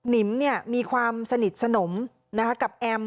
นิมมีความสนิทสนมกับแอม